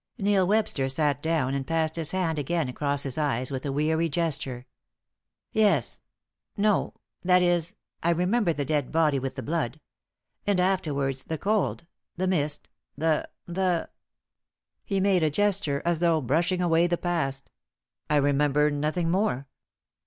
Neil Webster sat down and passed his hand again across his eyes with a weary gesture. "Yes no that is, I remember the dead body with the blood and afterwards the cold the mist the the " He made a gesture as though brushing away the past. "I remember nothing more!"